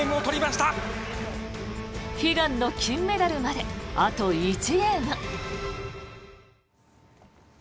悲願の金メダルまであと１ゲーム。